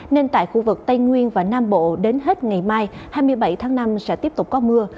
nên tại khu vực tây nguyên và nam bộ đến hết ngày mai hai mươi bảy tháng năm sẽ tiếp tục có mưa